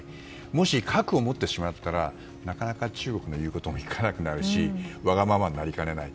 もし核を持ってしまったらなかなか中国の言うことも聞かなくなるしわがままになりかねない。